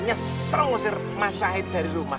nyesel mas sahid dari rumah